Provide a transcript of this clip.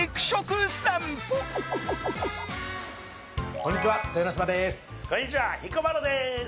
こんにちは、彦摩呂です。